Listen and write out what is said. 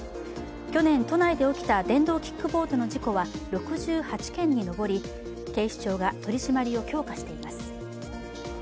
去年、都内で起きた電動キックボードの事故は６８件に上り、警視庁が取り締まりを強化しています。